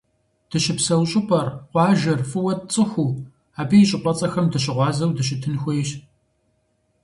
Дыщыпсэу щӏыпӏэр, къуажэр фӏыуэ тцӏыхуу, абы и щӏыпӏэцӏэхэм дыщыгъуазэу дыщытын хуейщ.